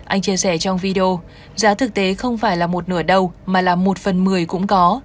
anh chia sẻ trong video giá thực tế không phải là một nửa đầu mà là một phần một mươi cũng có